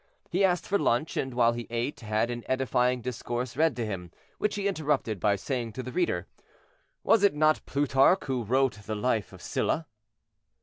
He asked for lunch, and, while he ate, had an edifying discourse read to him, which he interrupted by saying to the reader, "Was it not Plutarch who wrote the life of Sylla?"